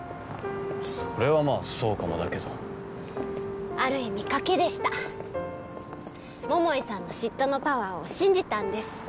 それはまあそうかもだけどある意味賭けでした桃井さんの嫉妬のパワーを信じたんです